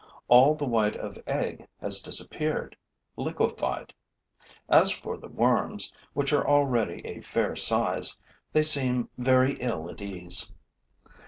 All the white of egg has disappeared, liquefied. As for the worms, which are already a fair size, they seem very ill at ease.